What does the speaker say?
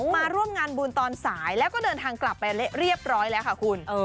มาร่วมงานบุญตอนสายแล้วก็เดินทางกลับไปเรียบร้อยแล้วค่ะคุณ